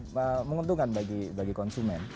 menguntungkan bagi konsumen